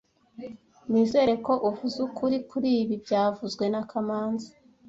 Nizere ko uvuze ukuri kuri ibi byavuzwe na kamanzi